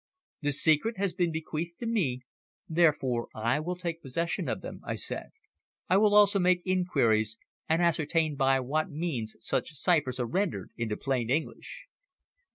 "The secret has been bequeathed to me, therefore I will take possession of them," I said. "I will also make inquiries, and ascertain by what means such ciphers are rendered into plain English."